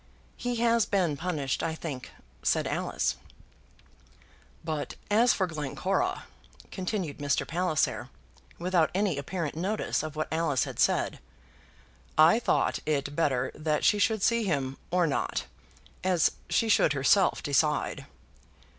"He has been punished, I think," said Alice. "But as for Glencora," continued Mr. Palliser, without any apparent notice of what Alice had said, "I thought it better that she should see him or not, as she should herself decide."